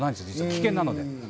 危険なので。